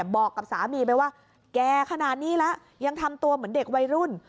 บอกกับสามีไปว่าแก่ขนาดนี้แล้วยังทำตัวเหมือนเด็กวัยรุ่น